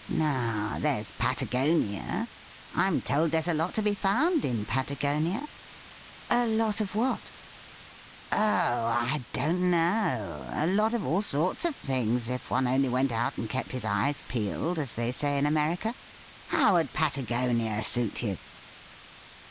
Now, there's Patagonia. I'm told there's a lot to be found in Patagonia.' ' A lot of what ?'' Oh, I don't know ; a lot of all sorts of things, if one only went out and kept his eyes peeled, as they say in America. How would Patagonia suit you